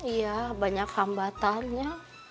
iya banyak hambatannya